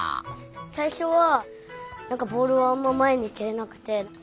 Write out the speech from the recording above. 最初はなんかボールをあんままえにけれなくて。